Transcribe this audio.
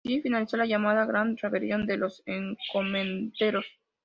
Así finalizó la llamada Gran Rebelión de los Encomenderos.